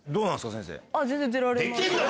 先生。